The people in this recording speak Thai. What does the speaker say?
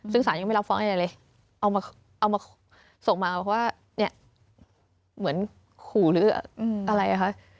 ซึ่งศาลยังไม่รับฟ้องอะไรเลยเอามาส่งมาว่าเหมือนขู่หรืออะไรอะค่ะ